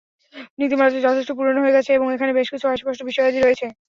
নীতিমালাটি যথেষ্ট পুরনো হয়ে গেছে এবং এখানে বেশ কিছু অস্পষ্ট বিষয়াদি রয়েছে।